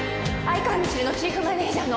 愛川みちるのチーフマネジャー。